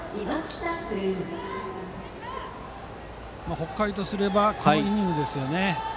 北海とすればこのイニングですよね。